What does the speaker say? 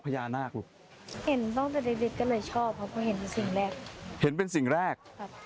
เพราะเห็นเป็นสิ่งแรก